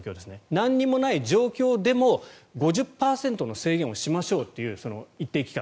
何もない状況でも５０％の制限をしましょうという一定期間。